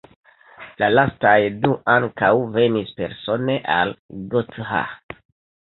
La lastaj du ankaŭ venis persone al Gotha.